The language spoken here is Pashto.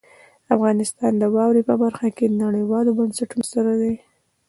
افغانستان د واورې په برخه کې نړیوالو بنسټونو سره دی.